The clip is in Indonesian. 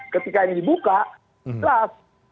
ketika ini dibuka jelas